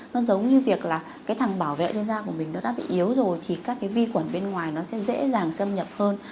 nó giống như việc là cái thằng bảo vệ trên da của mình nó đã bị yếu rồi thì các cái vi khuẩn bên ngoài nó sẽ dễ dàng xâm nhập hơn